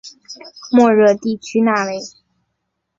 莫热地区讷维。